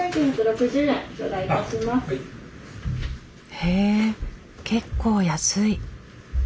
へえ結構安い。